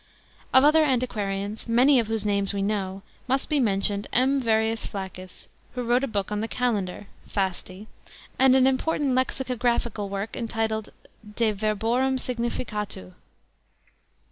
Of other antiquarians, many of whose names we know, must be mentioned M. VERRIUS FLACCUS, who wrote a book on the Calendar ( Fasti), and an important lexicographical work entitled de verborum CHAP. xi. GREEK LITERATURE. 161 significatu.